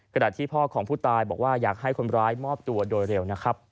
ที่พ่อของผู้ตายบอกว่าอยากให้คนร้ายมอบตัวโดยเร็วนะครับ